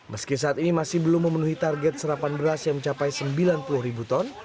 meski saat ini masih belum memenuhi target serapan beras yang mencapai sembilan puluh ribu ton